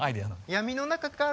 「闇の中から」。